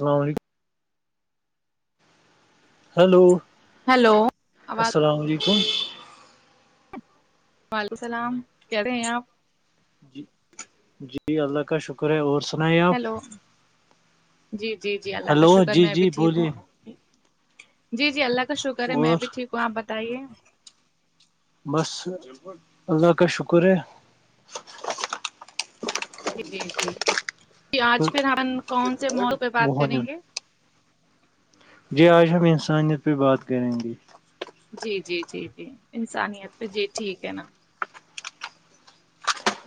الل علیکم hello hello آواز السلام علیکم وعلیکم السلام کہہ رہے ہیں آپ جی جی اللہ کا شکر اور سنا ہیلو جی جی جی اللہ کا ہلو شکر جی میں بھی جی ٹھیک بولیے ہوں جی جی اللہ کا شکر ہے میں اور بھی ٹھیک ہوں آپ بتائیے بس اللہ کا شکر ہے جی جی ج آج پھر ہم کون سے مول پہ بات کریں بہن گے جی آج ہم انسانیت پہ بات کریں گے جی جی جی جی انسانیت پہ جی ٹھیک ہے نا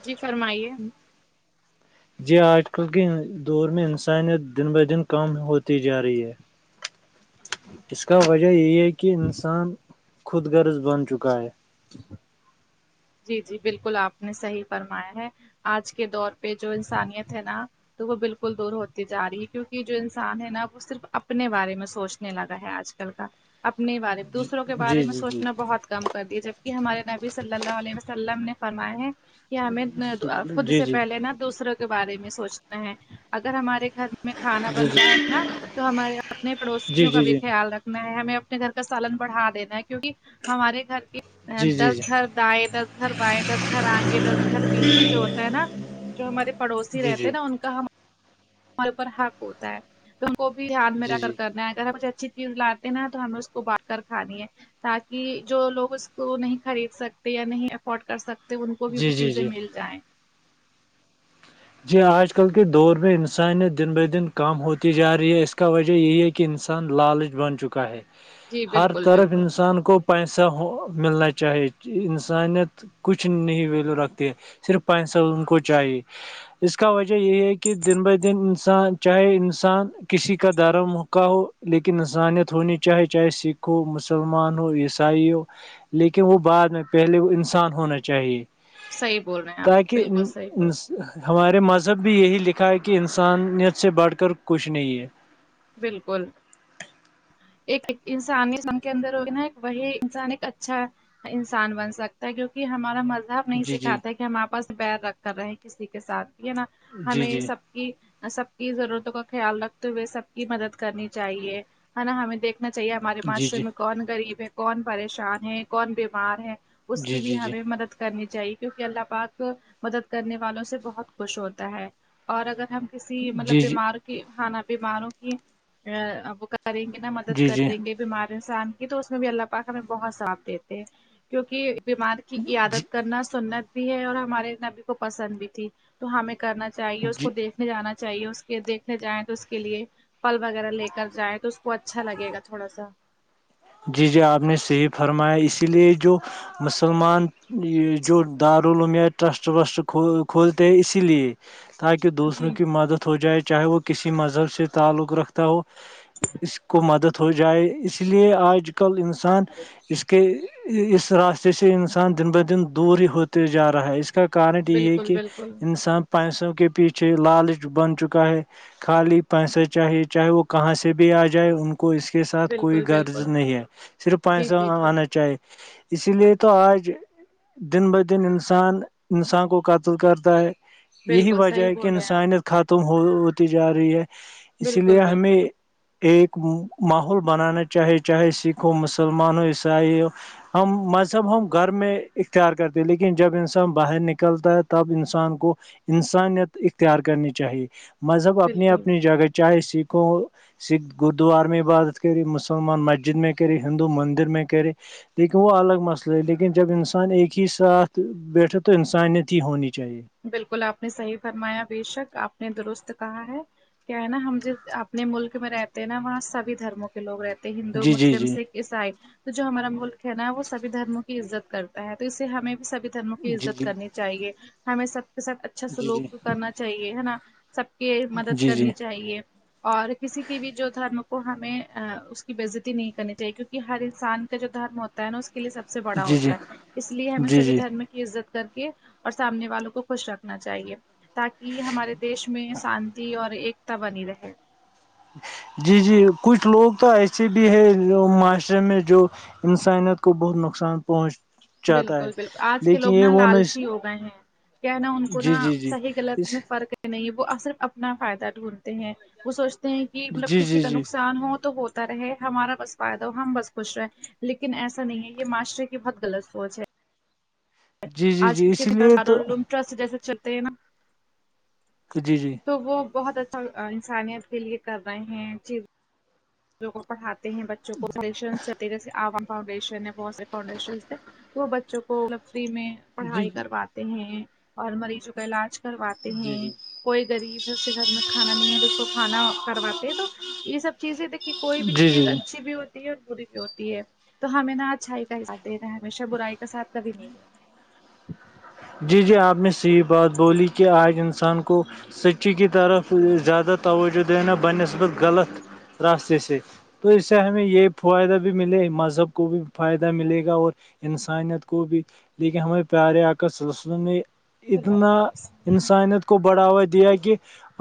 جی فرمائیے [inaudible] جی آج کل کے دور میں انسانیت دن بہ دن کم ہوتی جا رہی ہے اس کا وجہ یہی ہے کہ کہہ انسان خود غرض بن چکا ہے ا [inaudible] جی جی بالکل آپ نے صحیح فرمایا ہے آج کے دور پہ جو انسانیت ہے نا تو وہ بالکل دور ہوتی جا رہی ہے کیونکہ جو انسان ہے نا وہ صرف اپنے بارے میں سوچنے لگا ہے آج اپنے بارے میں جی دوسروں کے جی بارے میں جی جی سوچنا بہت کم کر دیا جبکہ ہمارے نبی صلیلہ عل وسلم نے فرما ہے کہ ہمیں خود جی سے جی پہلے نا دوسرے بارے میں سوچنا ہے اگر ہمارے گھر میں کھانا بن رہا جی ہے نا تو ہمارے اپنے جی جی پڑوسیوں کا جی بھی جی خیال رکھنا ہمیں اپنے گھر کا سالن بڑھا دینا ہے کیونکہ ہمارے گھر کے جی جی جی دس گھر دائیں دس گھر بائیں د گھر آگے دس گھر پٹپیچھے جو ہوتا ہے نا جو ہمارے پڑوسی جی رہتے جی ہیں ناپ ان کا ہمارے اوپر حق ہوتا ہے تو ان کو بھی ہیااتھ میں رہ کر جی کرنا ہےگرچ اچھی [unintelligible] چیز لاتے نا تو ہمیں اس کو بانڑھکر کھانی ہے تاکہ جو لوگ اس کو نہیں خرید سکتے یا نہیں افورڈ کر سکتے ان کو بھی وہ جی جی چیزیں جی مل جائیں [unintelligible] جی آج کل کے دور میں انسانیت دن ب دن کام ہوتی جا رہی ہے اس کا وجہ یہی ہے کہ انسان لالچ بن چکا ہے جی ہر بالکل طرف بالکل انسان کو [unintelligible] پیسہ ملنا چاہیے انسانیت [unintelligible] کچھ نہیں ویلو رکھتی ہے صرف پسیی ان کو چاہیے اس کا وجہ یہی ہے کہ دن بہ دن انسان چاہے انسان کسی کا درم کا ہو لیکن انسانیت ہونی چاہی چاہے سکھ ہو مسلمان ہو عیسائی ہو لیکن وہ بعد میں پہلے وہ انسان ہونا چاہیے صحیح بول رہے ہیں آپ تاکہ بالکل صحیح بول رہے ہیں ہمارے مذہب میی بھی یہی لکھا ہے کہ انسانیت سے بڑھ کر کچھ نہیں ہے بالکل ایک انسانی من کے اندر ہوگی نا ایک وہی انسان ایک اچھا انسان بن سکتا ہے کیونکہ ہمارا مزہب مزہب نہیں جی جی سکھاتا کہ ہم آپس بییر رکھ کر رہے کسی کے سھ بھی ہے نا جی ہمیں جی سب سب کی ضرورتوں کا خیال رکھتے ہوئے سب کی مدد کرنی چاہیے ہے نا ہمیں دیکھ ہمہی چاہیے ہمارے جی معاشرے جی میں کون غریب ہے کون پریشان ہے کون بیمار ہے اس جی کی بھی جی جی ہمیں مدد کرنی چاہیے کیونکہ اللہ پاک مدد کرنے والوں سے بہت خوش ہوتا ہے اور اگر ہم کسی مطلب جی جی بیمار کی ہانا بیماروں کی وہ کریں گے کنتا مدد جی جی جی کریں گے بیمار انسان کی تو اس میں بھی اللہ پاک ہمیں بہت ثواب دیتے ہیں کیونکہ بیمار کی عیادت کرنا سنت بھی ہے اور ہمارے نبی کو پسند بھی تھی تو ہمیں کرنا چاہیے اس جی کو دیکھ جانا چاہیے اس کو دیکھنے جائیں تو اس کے لیے فھل وغیرہ لے کر جائیں تو اس کو اچھا لگے گا تھوڑا سا جی جی آپ نے صحیح فرمایا اسی لیے جو مسلمان یہ جو دارلعلوم ٹرسٹ وسٹ کھولتے ہیں اسی لیے تاکہ دوسروں جی کی مدد ہو جائے چاہے وہ کسی مذہب سے تعلق رکھتا ہو اس کو مدد ہو جائے اس لیے آج آج کل انسان اس کے اس راستے سے انسان دن ب دن دور ہی ہوتے جا رہا ہے اس کا کارن یہ ہے بالکل کہ بالکل انسان پیسوں کے پیچھے لالچ بن چکا ہے خالی پیسے چاہیے چاہے وہ کہاں سے بھی آ جائے ان اس کے ساتھ کوئی بالکل غرض بالکل نہیں ہے صرف پانچ جی سو جی جی آنا چاہیے [unintelligible] اسی لیے تو آج [unintelligible] دن بدن انسان انسان کو قتل کرتا ہے [unintelligible] یہی بالکل وجہ صحیح ہے کہ بول رہے ہیں آپ انسانیت ختم ہو ہوتی جا رہی ہے اسی لیے بالکل ہمیں بالکل ایک ماحول بنانا چاہیے چاہے سکھ ہو مسلمان ہو عیسائی ہو ہم مذہب ہم گھر میں اختیار کرتے ہیں لیکن جب انسان باہر نکلتا ہے تب انسان کو [unintelligible] انسانیت اختیار کرنی چاہیے مذہب اپنی بالکل اپنی جگہ چاہے سکھوں سکھ گردوار میں عبادت کر ملم [unintelligible] مسلمان مسجد میں کرہی ہندو مندر میں کرہی [unintelligible] لیکن وہ الگ مسئلہ ہے لیکن جب انسان ایک ہی ساتھ بیٹھے تو [unintelligible] انسانیت ہی ہونی چاہیے بالکل آپ نے صحیح فرمایا بے شک آپ نے درست کہا ہے کیا ہے نا ہم ج اپنے ملک میں رہتے ہیں نا وہاں سبھی دھرموں کے لوگ رہتے ہیں ہندو جی جی مسلم جی سکھ عیسائی تو جو ہمارا ملک ہے نا وہ سبھی دھرموں کی عزت کرتا ہے تو اس سے ہمیں بھی سبھی دموں کی جی جی عزت کرنی جی چاہیے ہمیں سب کے ساتھ اچھا جی سلوک کرنا چاہیے ہے نا سب کے مدد جی کرنی چاہیے اور کسی کی بھی جو دھرم کو ہمیں اس کی بےزتی نہیں کرنی چاہیے کیکہ ہر انسان کا جو دھرم ہوتا ہے نا اس کے لیے سب سے بڑا جی جی ہوتا ہے اس لیے ہمیں جی سبھی جی دھرم کی عزت کر کے اور سامنے والوں کو خوش رکھنا چاہیے تاکہ ہمارے دیش میں شانتی اور ایک تا بنی رہے جی جی کچھ لوگ تو ایسے بھی ہے معاشرے میں جو انسانیت کو بہت نقصان پہنچ بالکل بالکل آج کے لوگ نا نہیں لالچی ہو گئے ہیں کیا نا ان کو جی نہا جی جی صحیح غط اس میں فرق ہے نہیں وہ صرف اپنا فائدہ ڈھونڈتے ہیں وہ سوچتے ہیں کہ مطلب جی کسی جی کا جی نقصان ہو تو ہو رہ ہمارا بس فائدہ ہو ہم بس خوش رہے لیکن ایسا نہیں ہے یہ معاشرے کی بہت غلط پوچے جی جی آج جی کل اسی لیے تو کتنےوم ٹرسٹ جیسے چلتے ہیں نا جی جی تو وہ بہت اچھا انسانیت کے لیے کر رہے ہیں چیز جو کو پڑھاتے ہیں بچوں کو سشن چری عوام فاؤنڈیشن بہت سے فؤنڈیشن تھ تو وہ بچوں کو م فری میں جی جی پڑھائی جی کرواتے ہیں اور مریضوں کا علاج کرواتے جی ہیں جی کوئی غریب ہے اسے گھر میں کھانا نہیں ہے تو اس کو کھانا کرواتے ہیں تو یہ سب چیزیں دیکھی کوئی بھی جی چیز جی اچھی بھی ہوتی ہے اور بری بھی ہوتی ہے تو ہمیں نہا اچھائی سھ د رہا ہے ہمیشہ برائی کا سھ کبھی نہیں لتا جی جی آپ نے سےیح بات بولی کہ آج انسان کو سچی کی طرف زیادہ توجہ دینا بہ نسبط غلط راستتے س تو اس سے ہمیں یہ فائدہ بھی ملے مذہب کو بھی فائدہ ملے گا اور انسانیت کو بھی لیکن ہمیں پیارے کا سلسلوں نے چلو اتنا اللہ انسانیت کو بڑھاوا دیا کہ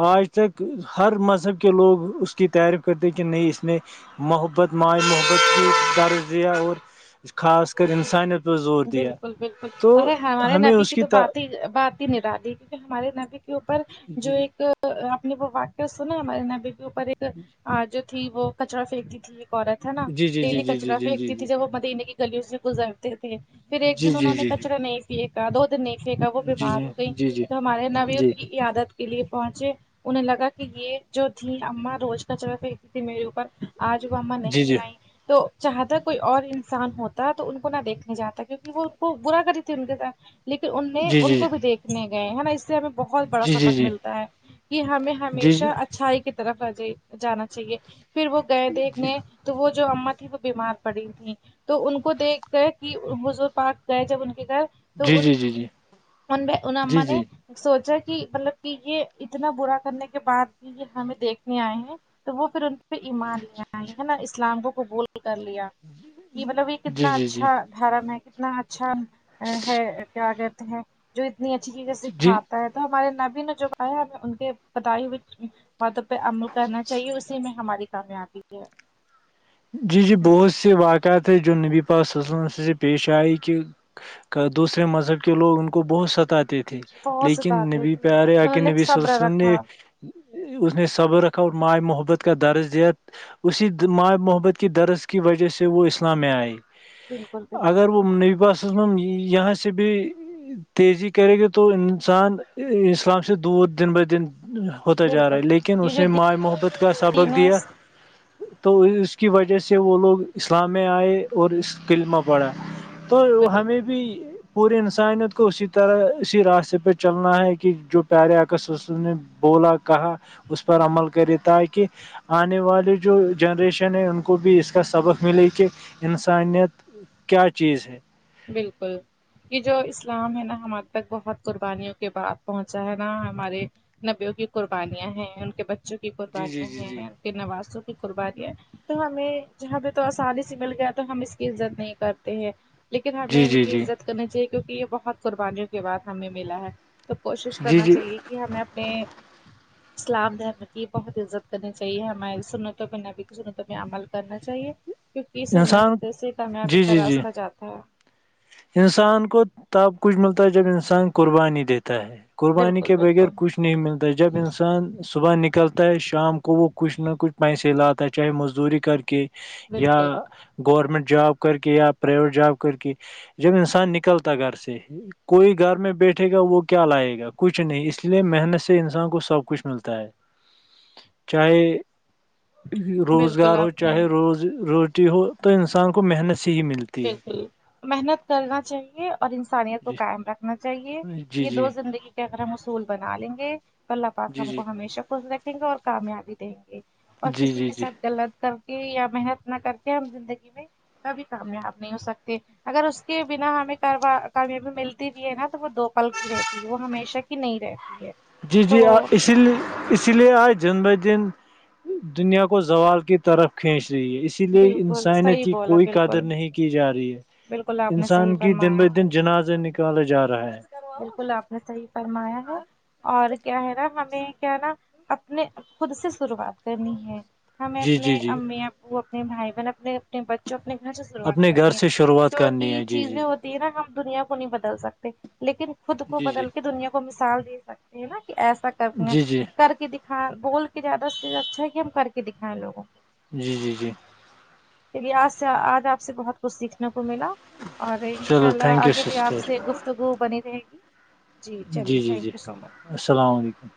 آج تک ہر مذہب کے لوگ اس کی تعریف کرتے ہیں کہ نہیں اس میں محبت ما محبت کی درزیا اور خاص کر انسانیت پہ زور دیا بالکل بالکل تو ارے ہمارے ہمیں نبی اس کی تو بات ہی بات ہی نہیں ڈادی کیونکہ ہمارے نبی کے اوپر جو ایک اپپ نے وہ واقعہ سنا ہمارے ن بی کے اوپر ایک جو تھی وہ کچرا پنیکتی تھی ایک عورت ہے نا ڈیلی کچرا پھییکتی تھی جب وہ مدییننے کی گلیوں سے گزرتے تھے پھر ایک دن انہوں نے کچرا نہیں پھینکا دو دن نہیں پھینکا وہ بیمار ہو گئی تو ہمارے نوی کی عیاادت کے لیے پہنچے انہیں لگا کہ یہ جو تھیں اماں روز کا چرہ پھینکتی تھی میرے اوپر آج وہ ااں نہیں آئیں تو چاہتا کوئی اور انسان ہوتا تو ان کو نہ دیکھنے جاتا کیونکہ وہ کو برا کری تھی ان کے ساتھ لیکن ان ان کو بھی دیکھنے گئے ہے نا اس سے ہمیں بہت بڑا سبق ملتا ہے کہ ہمیں ہمیشہ اچھا اچ چھائی کی طرف آ جائی جانا چاہیے پھر وہ گئے دیکھنے تو وہ جو اما تیں وہ بیمار پڑی تھیں تو ان کو دیکھ گیا کہ بزگ پک گئے جب ان کے گھر تو ان ان ان اما نے سوچا کہ مطلب کہ یہ اتنا برا کرنے کے بعد بھی یہ ہمیں دیکھنے آئے ہیں تو وہ پھر ان پہ ایمان لیائی ہے نا اسلام کو قبول کر لیا کہ مطلب یہ کتنا اچھا دھرم ہے کتنا اچھا ہے کیا کرتے ہیں جو اتنی اچھی طق سےکھاتے تو ہمارے نبی نے جو کہا ہم ان کے بدائی ماتوں پہ عمل کرنا چاہیے اسی میں ہماری کامیابی ہے جی جی بہت سے واقعات ہے جو نبی پسلم سے پیش آئے کہ دوسرے مذہب کے لوگ ان کو بہت ستاتے تھے بہت لیکن ستاتے نبی تھے پہ رہے آ انہوں کہ نے نبی صبر سس نے رکھا اس نے صبر رکھا اور مائ محبت کا درج دیا اسی مائ محبت کی درس کی وجہ سے وہ اسلام میں آئے بالکل بالکل اگر وہ نبا سے ب ب یہ س سے بھی تیزی کرے گے تو انسان اسلام سے دور دن بہ دن ہوتا جا رہا بالکل ہے لیکن یہ اس جو نے مائ محبت کا دین سبق ہے دیا بالکل تو اس اس کی وجہ سے وہ لوگ اسلام میں آئے اور اس علمہ پڑا تو بالکل ہمیں بھی پوری انسانیت کو اسی طرح اسی راستے پہ چلنا ہے کہ جو پیارے عکسص نے بولا کہا اس پر عمل کرے تاکہ آنے والی جو جنریشن ہے ان کو بھی اس کا سبق ملے کہ انسانیت کیا چیز ہے بالکل کہ جو اسلام ہے نا ہمج تک بہت قربانیوں کے بعد پہنچا ہے نا ہمارے نبیوں کی قربانیاں ہیں ان کے بچوں کی جی جی قربانیاں جی جی ہیں ان کے نوازوں کی قربانیاں تو ہمیں جہاں پہ تو آسانی سے مل گیا تو ہم اس کی عزت نہیں کرتے ہیں لیکن ہمیں جی ان جی کی جی عزت کرنی چاہیے کیونکہ یہ بہت قربانیوں کے بعد ہمیں ملا ہے تو کوشش جی کرنا جی چاہیے کہ ہمیں اپنے اسلام دھرم کی بہت عزت کرنی چاہیے ہماری سنتوں میں نبی کی سنتوں میں عمل کرنا چاہیے کیکہ انسان سنت سے کامیابی جی کا جی جی راستہ جاتا ہے انسان کو تب کچھ ملتا ہے جب انسان قربانی دیتا ہے قربانی بالکل کے بغیر بالکل کچھ نہیں ملتا ہے جب انسان صبح نکلتا ہے شام کو وہ کچھ نہ کچھ پیسے لاتا ہے چاہے مزدوری کر کے یا بالکل گورمنٹ جاب کر کے یا پرائیویٹ جاب کر کے جب انسان نکلتا گھر سے ہی کوئی گھر میں بیٹھے گا وہ کیا لائے گا کچھ نہیں اس لیے محنت سے انسان کو سب کچھ ملتا ہے چاہے بالکل روزگار ہو آپ نے چاہے روز روٹی ہو تو انسان کو محنت سے ہی ملتی ہے بالکل محنت کرنا چاہیے اور انسانیت کو جی قائم رکھ نا چاہیے جی یہ دو جی زندگی کے اگر ہم اصول بنا لیں گے تو اللہ پاک جی ہم کو جی ہمیشہ خ رکھیں گے اور کامیابی دیں گے اور جی کسی جی کے جی ساتھ غلط کر کے یا محنت نہ کر کے ہم زندگی میں کبھی کامیاب نہیں ہو سکتے اگر اس کے بنا ہمیں کامیابی ملتی بھی ہے نا تو وہ دو پل کی رہتی ہے وہ ہمیشہ کی نہیں رہتی ہے جی جی تو اسی لیے اسی لیے آج جن ب دن دنیا کو زوال کی طرف کھینچ رہی ہے اس اسی لیے بالکل انسانیت صحیح کی بولا کوئی قدر بالکل نہیں کی جا رہی ہے بالکل آپ نے انسان صحیح کی دن فرمایا بہ دن جنازے نکالا جا رہا ہے بالکل آپ نے صحیح فرمایا ہے اور کیا ہے نا ہمیں کیا ہے نا اپنے خود سے شروعات کرنی ہے ہمیں جی اپنے جی جی امی ابو اپنے بھائی بہن اپنے اپنے بچوں اپنے گھر سے شروعات اپنے کر گھر دی ہے سے شروعات کرنی ہے جی جی چیزیں ہوتی ہے نا ہم دنیا کو نہیں بدل سکتے لیکن خود کو جی جی بدل کے دنیا کو کو مثال دے سکتے ہیں نا کہ ایسا کرنا جی جی کر کے ہاں بول کے زیادہ سے اچھا ہے کہ ہم کر کے دکھائیں لوگوں کو جی جی جی چلیے آج سے آج آپ سے بہت کچھ سیکھنے کو ملا اور انشاء چلو اللہ تھینک یو آگے بھی آپ سسٹر سے گفتگو بنی رہے گی جی چلیے جی تھینک جی یو سو مچ السلام علیکم